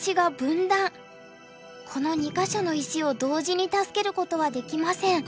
この２か所の石を同時に助けることはできません。